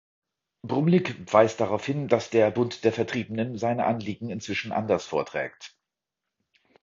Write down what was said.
Brumlik weist darauf hin, dass der Bund der Vertriebenen seine Anliegen inzwischen anders vorträgt.